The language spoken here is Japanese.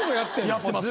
やってます。